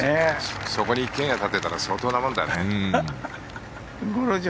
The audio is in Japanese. そこに一軒家建てたら相当なもんだね。